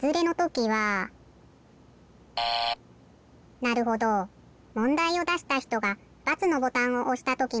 なるほどもんだいをだしたひとが×のボタンをおしたときに。